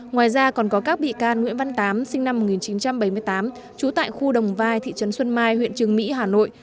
ngoài ra còn có các bị can nguyễn văn tám sinh năm một nghìn chín trăm bảy mươi tám trú tại khu đồng vai thị trấn xuân mai huyện trường mỹ hà nội